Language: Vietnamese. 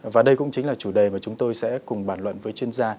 và đây cũng chính là chủ đề mà chúng tôi sẽ cùng bàn luận với chuyên gia